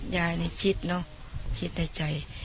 ยายนี่คิดเนอะคิดในใจ